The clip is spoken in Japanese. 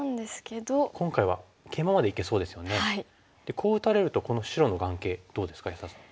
こう打たれるとこの白の眼形どうですか安田さん。